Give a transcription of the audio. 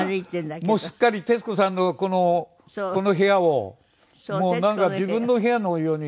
なんかもうすっかり徹子さんのこの部屋をなんか自分の部屋のように。